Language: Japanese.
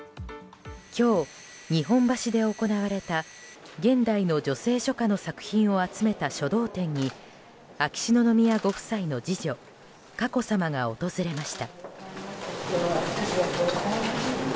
今日、日本橋で行われた現代の女性書家の作品を集めた書道展に秋篠宮ご夫妻の次女・佳子さまが訪れました。